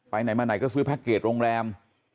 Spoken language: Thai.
ไหนมาไหนก็ซื้อแพ็คเกจโรงแรม